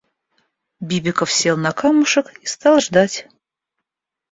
Бибиков сел на камушек и стал ждать.